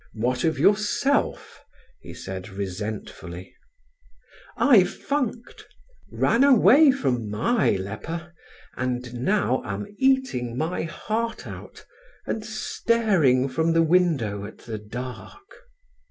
"What of yourself?" he said, resentfully. "I've funked ran away from my leper, and now am eating my heart out, and staring from the window at the dark."